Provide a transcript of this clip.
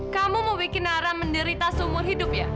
kamu mau bikin nara menderita seumur hidup ya